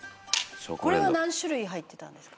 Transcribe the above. これは何種類入ってたんですか？